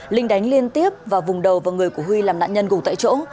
linh đánh liên tiếp vào vùng đầu và người của huy làm nạn nhân cùng tại chỗ